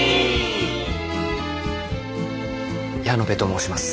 矢野部と申します。